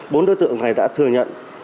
bốn đối tượng này đã thừa nhận